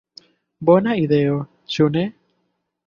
Bona ideo, ĉu ne?